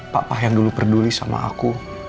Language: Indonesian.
papa yang dulu peduli sama aku